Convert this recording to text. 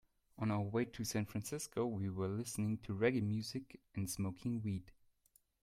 On our way to San Francisco, we were listening to reggae music and smoking weed.